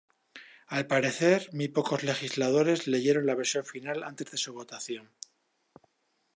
Al parecer, muy pocos legisladores leyeron la versión final antes de su votación.